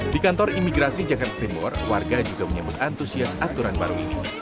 di kantor imigrasi jakarta timur warga juga menyambut antusias aturan baru ini